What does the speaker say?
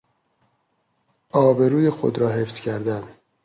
آبروی خود را حفظ کردن